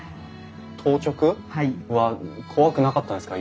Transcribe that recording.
当直は怖くなかったんですか？